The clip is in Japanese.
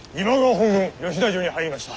本軍吉田城に入りました。